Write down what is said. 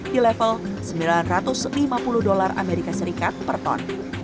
di level sembilan ratus lima puluh dolar amerika serikat per ton